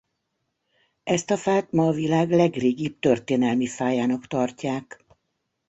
Ezt a fát ma a világ legrégibb történelmi fájának tartják.